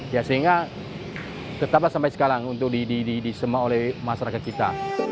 ya sehingga tetaplah sampai sekarang untuk disemak oleh masyarakat kita